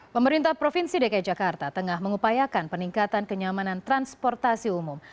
pemerintah provinsi dki jakarta tengah mengupayakan peningkatan kenyamanan transportasi umum